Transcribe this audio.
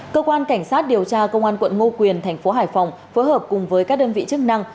cơ quan cảnh sát điều tra công an quận ngo quyền tp hải phòng phối hợp cùng với các đơn vị chức năng